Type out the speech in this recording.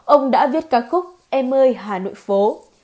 ông đã viết ca khúc em ơi hà nội phố